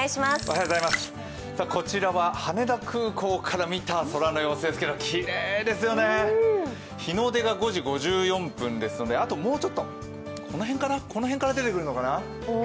こちらは羽田空港から見た空の様子ですけどきれいですよね、日の出が５時５４分ですのであともうちょっと、この辺から出てくるのかな？